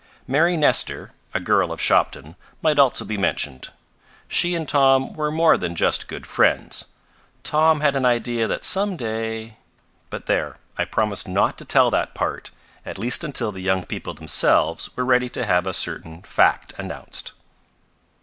Mary Nestor, a girl of Shopton, might also be mentioned. She and Tom were more than just good friends. Tom had an idea that some day . But there, I promised not to tell that part, at least until the young people themselves were ready to have a certain fact announced.